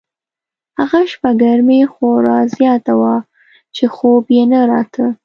هغه شپه ګرمي خورا زیاته وه چې خوب یې نه راته.